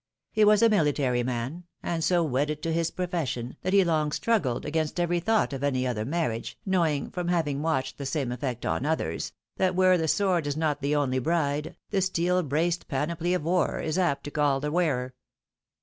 He was a military man, and so wedded to his profession, that he long struggled against every thought of any other marriage, know ing, from having watched the same effect on others, tliat where the sword is not the only bride, the steel braced panoply of war, is apt to gall the wearer.